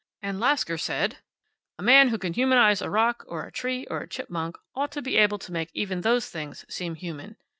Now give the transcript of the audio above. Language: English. And Lasker said, `A man who can humanize a rock, or a tree, or a chipmunk ought to be able to make even those things seem human.